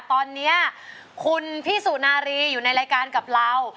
ตอนนี้คุณพี่สุนารีอยู่ในรายการกับเรา